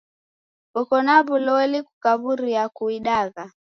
Koko na w'uloli kukaw'uria kuidagha?